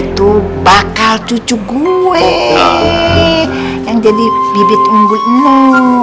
gue tuh bakal cucu gue yang jadi bibit unggulmu